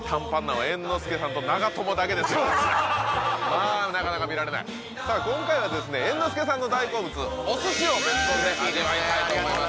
そうですかまあなかなか見られないさあ今回はですね猿之助さんの大好物お寿司をベスコンで味わいたいと思います